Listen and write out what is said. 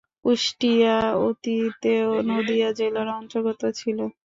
কুষ্টিয়া অতীতে নদীয়া জেলার অন্তর্গত ছিলো।